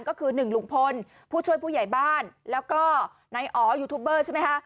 ก็คือ๑ลุงพลผู้ช่วยผู้ใหญ่บ้านแล้วก็นายอ๋อยูทูบเบอร์ใช่ไหมคะ